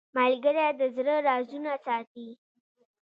ملګری د زړه رازونه ساتي